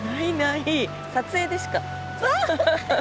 撮影でしか。